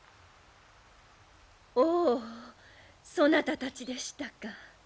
おおそなたたちでしたか。